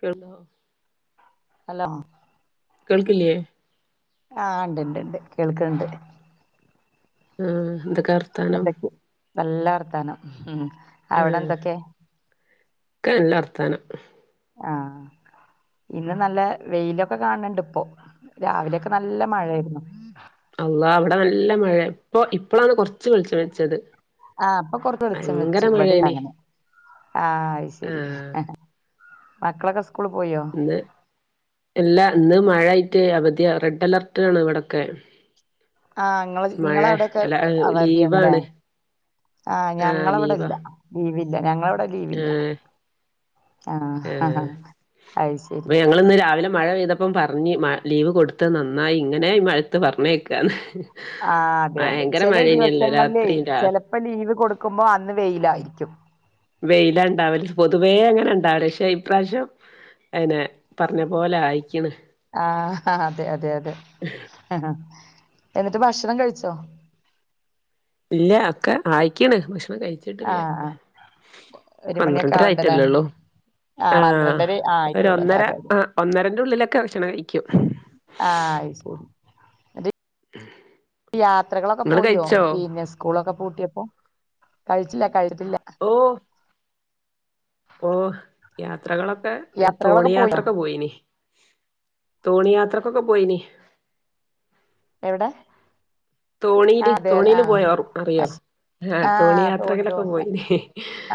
കണ്ട അല്ലഹ കേൾക്കില്ലയേ ആഹ ഉണ്ട് ഇണ്ട് ഇണ്ട് കേൾക്കുന്നുണ്ട് ആഹ എന്തൊക്കെ വർത്താനം നല്ല വർത്താനം ഉ അവിടെ ആഹ് എന്തൊക്കെ നല്ല വർത്താനം ആഹ് ഇന്ന് നല്ല വെയിലൊക്കെ കാണണണ്ട് ഇപ്പോൊ രാവിലെയൊക്കെ നല്ല മഴായിരുന്നു അല്ലാ അവിടെ നല്ല മഴ ഇപ്പൊ ഇപ്പോളാണ് കുറച്ച്ു വെളിച്ച വെച്ചത് ആഹ അപ്പൊ കൊറച്ച് വിച്ചം ഭയങ്കര വെച്ചു വട മഴേനി അങ്ങനെ ആഹ അത് ശരി ആഹ് മക്കളൊക്കെ സ്കൂള് പോയോ ഇന്ന് എല്ലാ ഇന്ന് മഴ ആയിട്ട് അവധിയ റെഡ് അലർട്ട ആണ് ഇവിടെൊക്കെ ആ നിങ്ങ നിങ്ങള അവിടെൊക്കെ അവദി യാണ്ല്ലേ ലീവാണ് ആ ആഹ് ഞങ്ങളവിടെ ലീവാ ഇല്ല ലീവില്ല ഞങ്ങളവിടെ ലീവില്ല ഏഹ് ആ ഏഹ് അത് ശരി അപ്പൊ ഞങ്ങളിന്ന് രാവിലെ മഴ പെയ്തപ്പം പറഞ്ഞ് മ ലീവ് കൊടുത്ത നന്നായി ഇങ്ങനെ ഈ മഴത്ത് പറഞ്ഞേക്കാന്ന് ആ അതെ അതെ ചില ദിവസങ്ങളിലേ രാത്രിയും രാ ചിലപ്പോ ലീവ് കൊടുക്കുമ്പോ അന്ന് വെയിലായിരിക്കും വെയില ഉണ്ടാവല പൊതുവേ അങ്ങനെ ഉണ്ടാവല പക്ഷെ ഇപ്രാവശ്യം അയിനെ പറഞ്ഞ പോലെ ആയിക്കണ് ആ അതെ അതെ അതെ എന്നിട്ട് ഭക്ഷണം കഴിച്ചോ ഇല്ല ഒക്കെ ആയിക്കണ് കഴിച്ചിട്ടില്ല ആഹ് ആഹ് ഒരു മണിയൊക്കെ ആവണ്ടല്ലേ പന്ത്രണ്ടരായിട്ടല്ലേള്ളൂ ആഹ് ആ പന്ത്രണ്ടര ആഹ് ഒ ആയിട്ടോള്ളല്ലേ ഒന്നര അതെ ആ ഒന്നരന്റെള്ളിലൊക്കെ ഭക്ഷണം കഴിക്കും ആ ആയിട്ട ആ യാത്രകളൊക്കെ പോയോ പിന്നെ സ്കൂളൊക്കെ പൂട്ടിയപ്പോ കഴിച്ച കഴിപ്പില്ല ഓ ഓ യാത്രകളൊക്കെ തോണി യാത്രകളൊക്കെ പോയോ യാത്രൊക്കെ പോയിന് തോണി യാത്രക്കൊക്കെ പോയിനി എവിടെ തോണിയില് തോണിയില് പോയാറും അറിയോ ആഹ ആ തോണി യാത്രകളൊക്കെ തോണി പോയിന്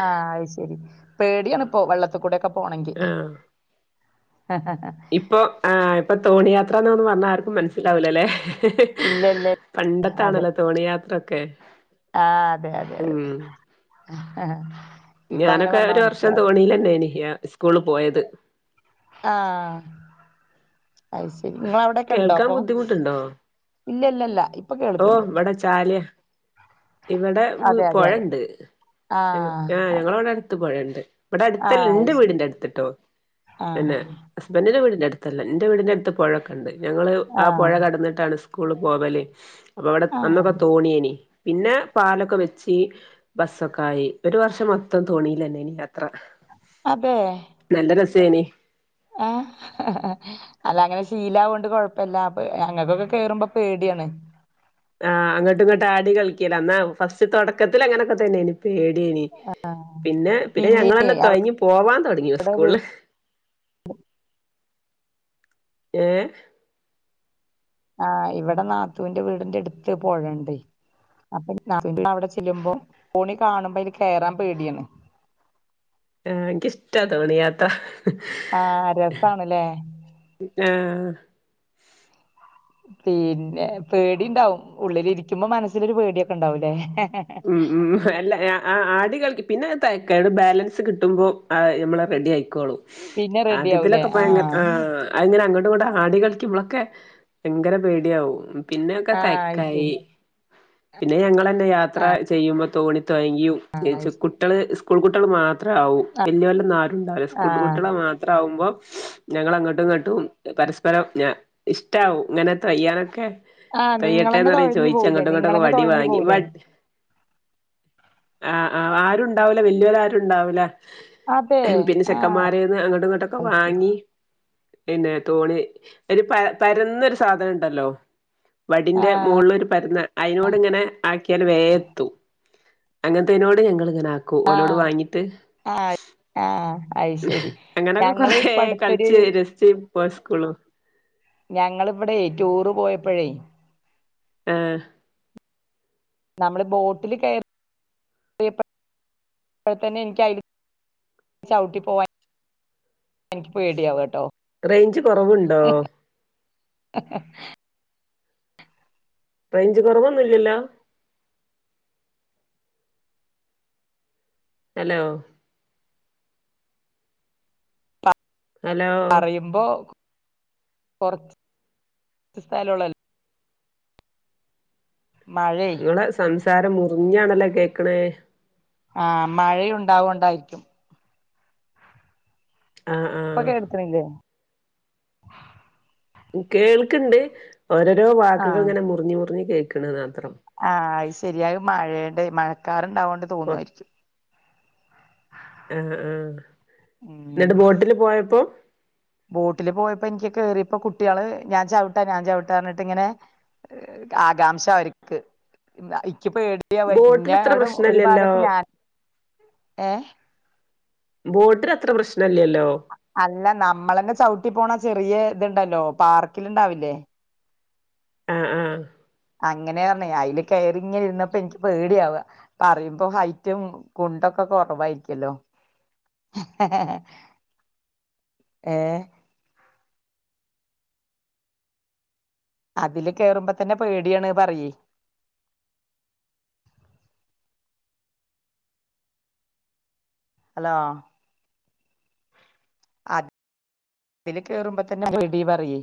ആ അത് ശരി പേടിയാണ് ഇപ്പോ വെള്ളത്തിൽ കൂടെൊക്കെ പോണെങ്കിൽ ആഹ ഇപ്പൊ ആ ഇപ്പൊ തോണിയയാത്രന്ന് പറഞ്ഞാ ആർക്കും മനസ്സിലാവൂലല്ലേ ഇല്ല ഇല്ല പണ്ടത്താണല്ലോ തോണിയയാത്രൊക്കെ ആ അതെ അതെ അതെ ഇപ്പ അങ്ങനെ ഞാനൊക്കെ പറഞ്ഞാ ഒരു വർഷം മനസ്സിലാവും തോണീലന്നെ എനി സ്കൂള് പോയത് ആ അ ശരി നിങ്ങള അവിടെൊക്കെ ഉണ്ടോ കേൾക്കാൻ അപ്പൊ ബുദ്ധിമുട്ടുണ്ടോ ഇല്ല ഇല്ലല്ല ഓ വട ചാലയാ ഇവിടെ അതെ അതെ അതെ പുഴണ്ട് ആഹ് ആ് ഞങ്ങളവിടെ അടുത്ത് പുഴണ്ട് ഇവിടെ അടുത്തല്ല ആഹ് അത് എന്റെ ശരി വീടിന്റെ അടുത്ത്ട്ടോ ആഹ് പിന്നെ ഹസ്ബൻറിന്റെ വീടിന്റെ അടുത്തല്ലേ എൻ്റെ വീടിൻറെ അടുത്ത് പുഴൊക്കെുണ്ട് ഞങ്ങൾ ആ പുഴ ആഹ് കടന്നിട്ടാണ് സ്കൂള പോവലെ അപ്പ അവിടെ അന്നൊക്കെ ആഹ് തോണിയേനി പിന്നെ പാലൊക്കെ വെച്ച്ി ബസ്സൊക്കെ ആയി ഒരു വർഷം മൊത്തം തോണിയിലന്നെ ഇനി യാത്ര അതെ തേനി ആ അല്ല അങ്ങനെ ശീല കൊണ്ട് കൊഴപ്പില്ല അപ്പ ഞങ്ങൾക്കൊക്കെ കേറുമ്പോ പേടി ാണ് ല എന്നാ ഫസ്റ്റ് തുടക്കത്തിൽ അങ്ങനെയൊക്കെ തന്നെയനി പേടിയനി പിന്നെ പിന്നെ ഞങ്ങന്നെ തുഴങ്ങഞ് പോവാൻ തുടങ്ങിയ അവിടെ വീ സ്കൂളില് ഏ ആ ഇവിടെ നാതൂന്റെ വീടിന്റെ എ ടുത്ത് പോഴണ്ടെ. അപ്പൊ നാത്തൂന്റെ അവിടെ ചെല്ലുമ്പോ കോണി കാണുമ്പോ അയ്ല് കയറാം പേടിണ്. ആ ക്കിഷ്ടാ തോണിയാത്ത. ആഹ് രസാണ്ല്ലേ ആ. പിന്നെ പേടിണ്ടാവും ഉള്ളിലിരിക്കുമ്പോ മനസ്സിലൊരു പേടിയൊക്കെ ഉണ്ടാവും ല്ലേ? ഉം ഉം അല്ല ആടി കേൾക്ക പിന്നെ തക്കടെ ബാലൻസ് കിട്ടുമ്പോ എ മ്മള് റെഡിയായിക്കോളും. പിന്നെ റെഡി ആവൂലേ അതിതിലൊക്കെ ഭയങ്കര ആഹ് ആ് അതിങ്ങനെ അങ്ങോടും ഇങ്ങോടും ആടി കളിക്കുമ്പോളൊക്കെ. ഭങ്കര പേടിയാവും പിന്നെക്കെ ആഹ് അയ് തയക്കായി. ശരി പിന്നെ ഞങ്ങളെന്നെ യാത്ര ചെയ്യുമ്പോ തോണി തോയയും ആഹ് അയ് ഏച്ച ശരി കുട്ടെള് സ്കൂൾ കുട്ടെള് മാത്രം ത്രാവും. വല്ലിയോലെന്നാരുണ്ടാവൂല്ല. സ്കൂട്ട് ആഹ് കുട്ടിയോളെ മാത്രം ആകുമ്പോ ഹും ഞങ്ങള് അങ്ങട്ടും ഇങ്ങട്ടും പരസ്പരം ഞ ഇഷ്ടമാവും ഇങ്ങനെ തോ യ്യാനൊക്കെ. ആഹ് നിങ്ങളന്നെ കയ്യട്ടന്ന് പറഞ് തൊഴഞ്ഞു ചോദിച് പോവൂലേ അങ്ങട്ടും ഇങ്ങട്ടൊക്കെ നിങ്ങളന്നെ വടി തൊഴഞ്ഞു വാങ്ങി പോവൂലേ വട് ആഹ ആ ആരുംണ്ടാവൂല വല്ലിയൊര് രാ രുംണ്ടാവൂല. അതെ ഹ്മ് പിന്നെ ആഹ് ചെക്കന്മാരേന്ന് അങ്ങട്ടും ഇങ്ങട്ടൊക്കെ വാങ്ങി. പിന്നെ തോണി ഒരു പര പരന്ന സാധനം ണ്ടല്ലോ? വടിന്റെ മോള്ല് ഒരു പരുന്ന അയിനോട് ഇങ്ങനെ ആക്കിയാൽ വേ അങ്ങനത്തേനോട് ഞങ്ങളിങ്ങനെ ആക്കും ഓലോട് ആഹ് വാങ്ങിട്ട്. ആഹ് അയ് ഹ് ശരി അങ്ങനൊക്കെ ഞങ്ങള് കൊറെ ഇപ്പ അടുത്തൊരു കളിച്ച് രസി ച്ച് പോ സ്കൂളും. ഞങ്ങള്വ്ടെ റ്റൂർ പോയപ്പഴേ. ആഹ് നമ്മള് ബോട്ടില് കയറിയ റിയപ്പോ പ്പോ തന്നെ എനിക്ക് അയില് ചവ്ട്ടി പോവാൻ എനിക്ക് പോയിടയാവ ട്ടോ? റെയ്ഞ്ച് കൊറവ്ണ്ടോ? എഹ് എഹ്. റെയ്ഞ്ച് കൊറവൊന്നുംല്ലല്ലോ? അലോ? ഹലോ പറയുമ്പോ കൊറച്ച് സ് സ്‌ഥലൊള്ളാല്ലോ? മഴേ ങ്ങളെ സംസാരം മുറിഞ്ഞാണല്ലോ കേക്കണേ? ആഹ മഴയുണ്ടാവോണ്ടായിരിക്കും. ആഹ് ഇപ്പ ആഹ് കേട്ത്ത്ണില്ലേ? കേൾക്ക്ണ്ട് ഓരോരോ വാക്കുകൾ ങ്ങനെ മുറിഞ് മുറിഞ്ഞ് കേൾക്ണ്താ. ആഹ അയ്ശരി അയ്‌ മഴെണ്ട് മഴക്കാറ് ണ്ടാവോണ്ട് തോന്നായിരിക്കും. ആഹ ആഹ ഉം ബോട്ടില് പോയപ്പോ ൻക്ക് കേറിയ ഇപ്പൊ കുട്ടിയേള് ഞാൻ ചവിട്ടാ ഞാൻ ചവിട്ട പറഞ്ഞിട്ട്ങ്ങനെ ആകാംശ അവര്ക്ക്. [unintelligible] ക്ക് പേടിയവ ബോട്ടിൽ അത്ര ന്നെടും പ്രശ്നല്ലല്ലോ ഒരുഭാഗത്ത് ഞാനും ഏ. ബോട്ടിൽ അത്ര പ്രശ്ന അല്ല നമ്മളെന്നെ ചവ്ട്ടി പോണ ചെറിയ ത്ണ്ടല്ലോ പാർക്കില്ണ്ടാവില്ലേ? ആഹ ആഹ അങ്ങനെയാന്നെ അയിൽ കയറിങ്ങന്നെര്ന്നപ്പോ എനിക്ക് പേടിയാവ പറയുമ്പോ ഹൈറ്റും കു ണ്ടൊക്കെ. ഒക്കെ കുറവായിരിക്കല്ലോ? എ ഹ് ഹ ഏഹ് അതില് കേറുമ്പോ തന്നെ പേടിയാണ് പറയെ. ഹലോ? അ അതില് കേറുമ്പോ തന്നെ വിടി പറയേ.